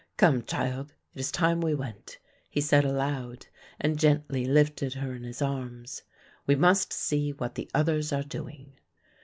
Come, child, it is time we went," he said aloud and gently lifted her in his arms; "we must see what the others are doing."